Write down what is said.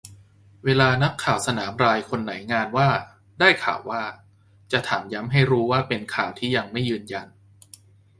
เวลานักข่าวสนามรายคนไหนงานว่า "ได้ข่าวว่า" จะถามย้ำให้รู้ว่าเป็นข่าวที่ยังไม่ยืนยัน